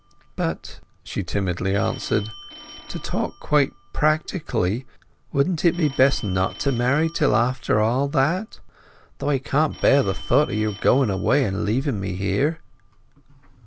"But," she timidly answered, "to talk quite practically, wouldn't it be best not to marry till after all that?—Though I can't bear the thought o' your going away and leaving me here!"